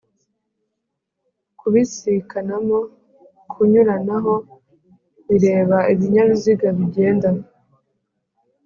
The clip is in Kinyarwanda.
kubisikanamo kunyuranaho bireba Ibinyabiziga bigenda